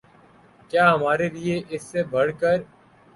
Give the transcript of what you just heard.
کیا ہمارے لیے اس سے بڑھ کر